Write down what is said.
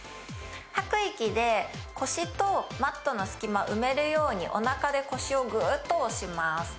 吐く息で腰とマットの隙間を埋めるようにおなかで腰をグーッと押します。